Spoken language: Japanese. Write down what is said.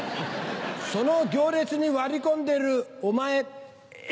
その行列に割り込んでるお前エイ！